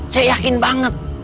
saya yakin banget